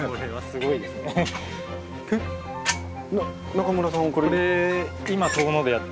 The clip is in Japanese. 中村さんはこれ。